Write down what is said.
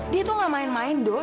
dia tuh gak main main dong